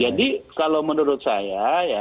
jadi kalau menurut saya ya